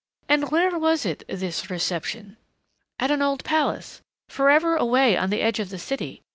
"And where was it this reception?" "At an old palace, forever away on the edge of the city.